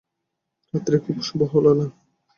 রাত্রি খুব শুভ হল না।